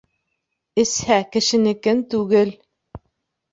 — Эсһә, ксшенскеи түгел.